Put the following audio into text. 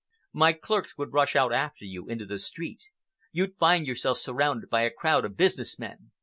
My clerks would rush out after you into the street. You'd find yourself surrounded by a crowd of business men.